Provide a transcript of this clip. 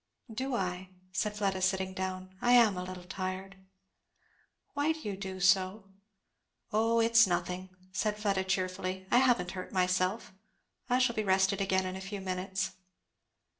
"Do I?" said Fleda, sitting down. "I am a little tired!" "Why do you do so?" "O it's nothing" said Fleda cheerfully; "I haven't hurt myself. I shall be rested again in a few minutes."